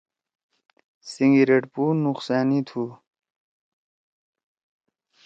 سیگریٹ پُو نُقصأنی تُھو۔